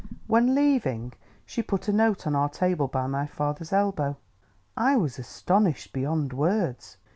When leaving, she put a note on our table, by my father's elbow. I was astonished beyond words....